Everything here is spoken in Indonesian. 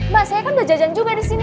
mbak saya kan udah jajan juga disini